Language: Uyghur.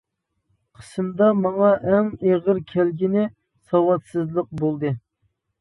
قىسىمدا ماڭا ئەڭ ئېغىر كەلگىنى ساۋاتسىزلىق بولدى.